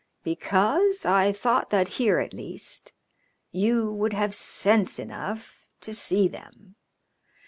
"Because I thought that here, at least, you would have sense enough to see them.